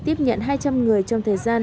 tiếp nhận hai trăm linh người trong thời gian